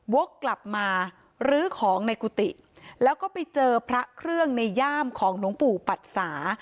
วกกลับมาลื้อของในกุฏิแล้วก็ไปเจอพระเครื่องในย่ามของหลวงปู่ปัดสา